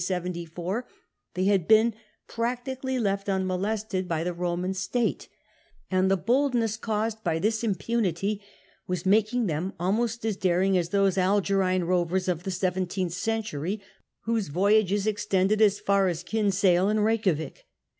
74, they had been practically left unmolested by the Eoman state, and the boldness caused by this impunity was making them almost as daring as those Algerine rovers of the seventeenth century, whose voyages extended as far as Kinsale and Eeikjavik.